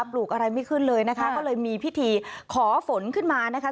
ลูกอะไรไม่ขึ้นเลยนะคะก็เลยมีพิธีขอฝนขึ้นมานะคะ